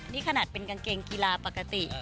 นี่ขนาดเป็นกางเกงกีฬาปกติ